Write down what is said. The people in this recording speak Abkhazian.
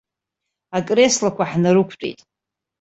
Акреслақәа ҳнарықәтәеит.